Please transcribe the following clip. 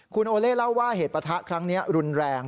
คุณโอเล่เล่าว่าเหตุประทะครั้งนี้รุนแรง